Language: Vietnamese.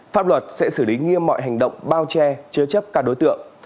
pháp luật sẽ xử lý nghiêm mọi hành động bao che chứa chấp các đối tượng